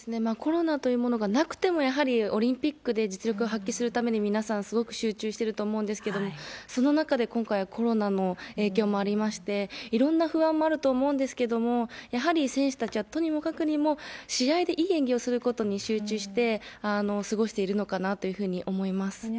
コロナというものがなくても、やはりオリンピックで実力を発揮するために、皆さん、すごく集中してると思うんですけれども、その中で今回はコロナの影響もありまして、いろんな不安もあると思うんですけれども、やはり選手たちは、とにもかくにも試合でいい演技をすることに集中して過ごしているのかなというふうに思います。